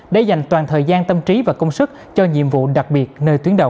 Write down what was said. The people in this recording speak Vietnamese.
để dành toàn thời gian tâm trí và công sức cho nhiệm vụ đặc biệt nơi tuyến đầu